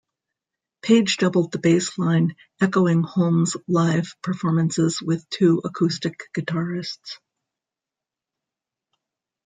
Page doubled the bass line, echoing Holmes' live performances with two acoustic guitarists.